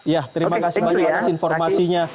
ya terima kasih banyak pak asri anas informasinya